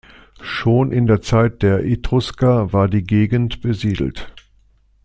Schon in der Zeit der Etrusker war die Gegend besiedelt.